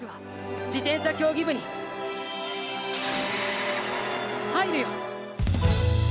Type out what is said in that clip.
自転車競技部に入るよ！